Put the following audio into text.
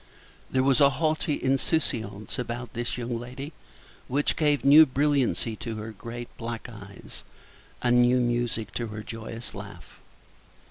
There was a haughty insouciance about this young lady which gave new brilliancy to her great black eyes, and new music to her joyous laugh.